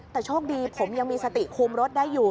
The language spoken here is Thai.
แต่โชคดีผมยังมีสติคุมรถได้อยู่